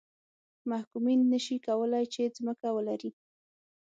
محکومین نه شي کولای چې ځمکه ولري.